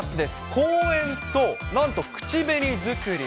講演と、なんと口紅作り。